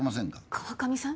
川上さん！？